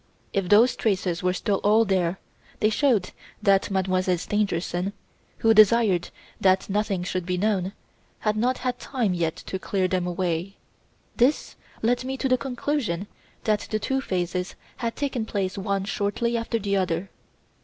If those traces were still all there, they showed that Mademoiselle Stangerson who desired that nothing should be known had not yet had time to clear them away. This led me to the conclusion that the two phases had taken place one shortly after the other.